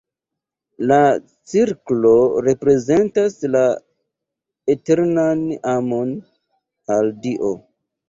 La cirklo reprezentas la eternan amon al Dio.